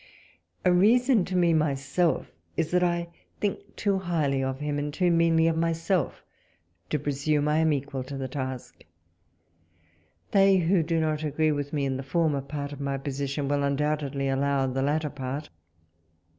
A reason to me myself is, that I think too highly of him, and too meanly of myself, to presume I'am equal to the task. They who do not agree with me in the former part of my position, will un doubtedly allow the latter part.